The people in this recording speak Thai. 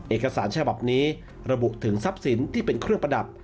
เอกสารฉบับนี้ระบุถึงทรัพย์สินที่เป็นเครื่องประดับ